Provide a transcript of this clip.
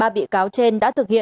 ba bị cáo trên đã thực hiện